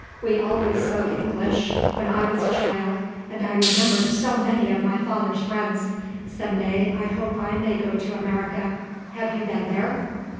"We always spoke English when I was a child, and I remember so many of my father's friends. Some day I hope I may go to America. Have you been there?